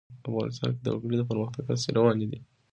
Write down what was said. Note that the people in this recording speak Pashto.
افغانستان کې د وګړي د پرمختګ هڅې روانې دي.